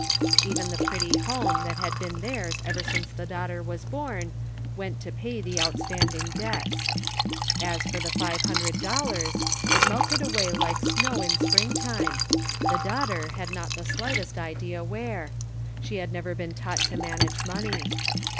Even the pretty home that had been theirs ever since the daughter was born went to pay the out standing debts. As for the five hundred dol lars, it melted away like snow in spring time, the daughter had not the slightest idea where ; she had never been taught to manage money.